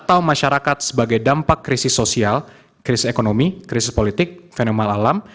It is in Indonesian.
atau masyarakat sebagai dampak krisis sosial krisis ekonomi krisis politik fenomena alam